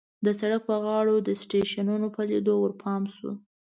د سړک په غاړو د سټېشنونو په لیدو ورپام شو.